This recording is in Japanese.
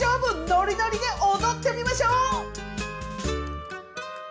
ノリノリで踊ってみましょう！